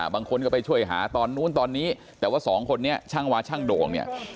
บางคนก็ไปช่วยหาตอนนู้นตอนนี้แต่ว่าสองคนนี้ช่างวาช่างโด่งเนี่ย